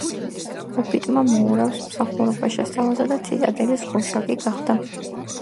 ჰობიტმა მოურავს მსახურობა შესთავაზა და ციტადელის გუშაგი გახდა.